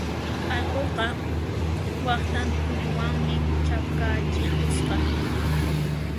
Allquqa waqtan tulluwanmi chakachikusqa.